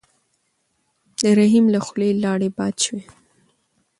د رحیم له خولې لاړې باد شوې.